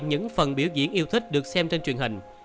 những phần biểu diễn yêu thích được xem trên truyền hình